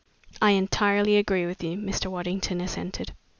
"I entirely agree with you," Mr. Waddington assented.